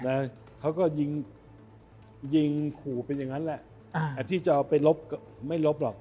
นะเขาก็ยิงยิงขู่เป็นอย่างนั้นแหละที่จะเอาไปลบไม่ลบหรอก